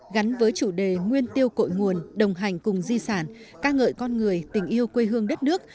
gắn với chủ đề nguyên tiêu cội nguồn đồng hành cùng di sản ca ngợi con người tình yêu quê hương đất nước